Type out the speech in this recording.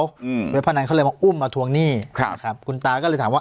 เว็บพนันเขาเลยมาอุ้มมาทวงหนี้ครับนะครับคุณตาก็เลยถามว่า